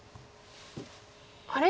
あれ？